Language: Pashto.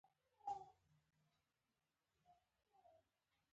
غورځنګ